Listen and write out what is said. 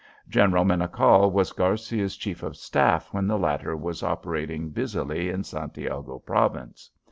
General Menocal was Garcia's chief of staff when the latter was operating busily in Santiago province.